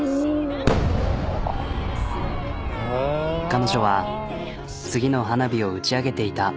彼女は次の花火を打ち上げていた。